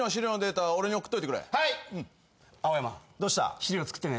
資料作ってねえ。